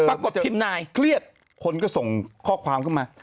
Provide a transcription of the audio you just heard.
พิมพ์นายเครียดคนก็ส่งข้อความเข้ามา